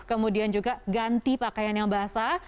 kemudian juga ganti pakaian yang basah